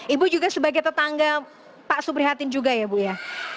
ibu juga sebagai tetangga pak suprihatin juga ya bu ya